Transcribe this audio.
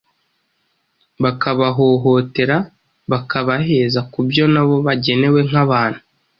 bakabahohotera, bakabaheza ku byo na bo bagenewe nk’abantu.